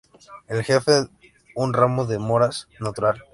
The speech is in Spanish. En jefe un ramo de moras natural.